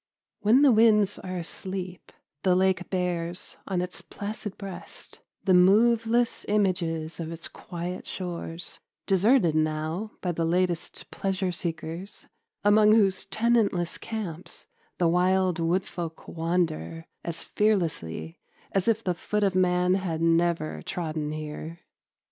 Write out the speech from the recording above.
When the winds are asleep the lake bears on its placid breast the moveless images of its quiet shores, deserted now by the latest pleasure seekers among whose tenantless camps the wild wood folk wander as fearlessly as if the foot of man had never trodden here.